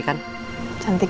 biar aku nyantai